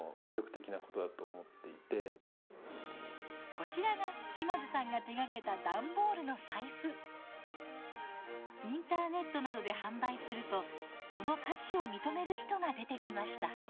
こちらが島津さんが手がけたインターネットなどで販売するとその価値を認める人が出てきました。